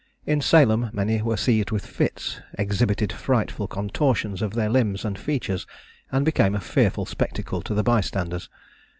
In Salem, many were seized with fits, exhibited frightful contortions of their limbs and features, and became a fearful spectacle to the bystanders.